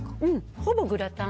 ほぼグラタン。